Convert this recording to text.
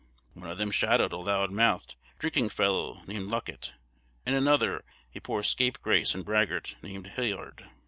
One of them "shadowed" a loud mouthed, drinking fellow, named Luckett, and another, a poor scapegrace and braggart, named Hilliard.